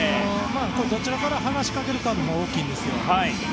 どちらから話しかけるかも大きいんですよ。